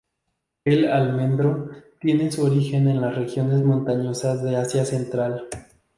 El almendro tiene su origen en las regiones montañosas de Asia Central.